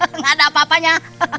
tidak ada apa apanya